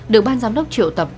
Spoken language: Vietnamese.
được ban giám đốc triệu tập